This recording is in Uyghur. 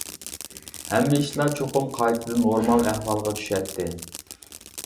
ھەممە ئىشلار چوقۇم قايتىدىن نورمال ئەھۋالغا چۈشەتتى.